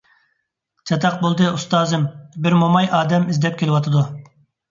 چاتاق بولدى، ئۇستازىم، بىر موماي ئادەم ئىزدەپ كېلىۋاتىدۇ!